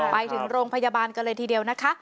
ไปถึงโรงพยาบาลกันเลยทีเดียวนะคะ